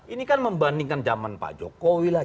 ini kan membandingkan zaman pak jokowi lah